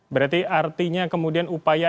berarti artinya kemudian upaya